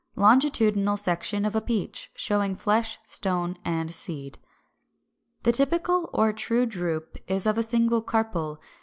375. Longitudinal section of a peach, showing flesh, stone, and seed.] 357. The typical or true drupe is of a single carpel.